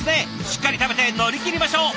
しっかり食べて乗り切りましょう。